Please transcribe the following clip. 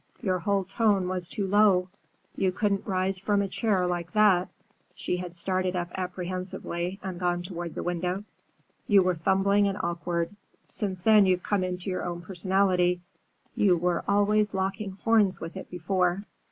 Your whole tone was too low. You couldn't rise from a chair like that,"—she had started up apprehensively and gone toward the window.—"You were fumbling and awkward. Since then you've come into your personality. You were always locking horns with it before.